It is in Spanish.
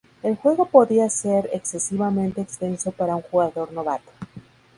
El juego podía ser excesivamente extenso para un jugador novato.